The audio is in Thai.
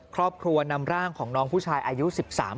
ครอบครัวนำร่างของน้องผู้ชายอายุ๑๓ปี